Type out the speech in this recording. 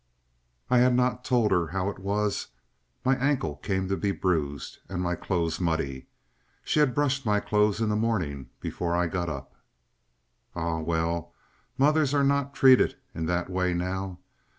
I had not told her how it was my ankle came to be bruised and my clothes muddy. She had brushed my clothes in the morning before I got up. Ah well! Mothers are not treated in that way now.